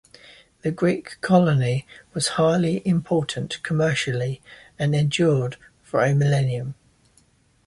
The Greek colony was highly important commercially and endured for a millennium.